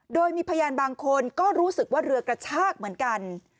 โดยมีพยานบางคนก็รู้สึกว่าเรือกระชากเหมือนกัน